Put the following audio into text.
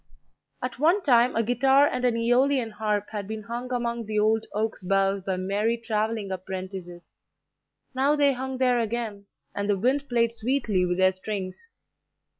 At one time a guitar and an Æolian harp had been hung among the old oak's boughs by merry travelling apprentices; now they hung there again, and the wind played sweetly with their strings.